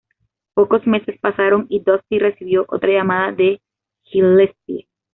Pocos meses pasaron, y Dusty recibió otra llamada de Gillespie.